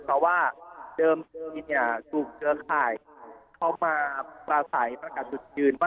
เพราะว่าเดิมปภิเวียนกลุ่มเครือข่ายเข้ามาประสัยประกัดจุดยืน